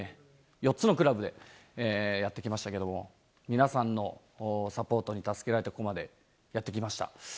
４つのクラブでやって来ましたけども、皆さんのサポートに助けられてここまでやってこれました。